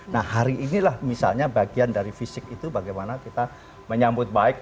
nah hari inilah misalnya bagian dari fisik itu bagaimana kita menyambut baik